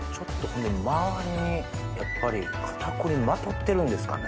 周りにやっぱり片栗まとってるんですかね。